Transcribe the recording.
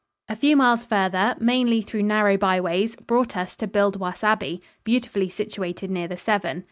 A few miles farther, mainly through narrow byways, brought us to Buildwas Abbey, beautifully situated near the Severn.